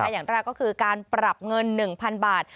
อย่างแรกก็คือการปรับเงิน๑๐๐๐บาท